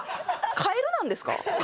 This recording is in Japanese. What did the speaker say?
カエルなんですか？